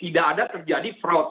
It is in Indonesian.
tidak ada terjadi fraud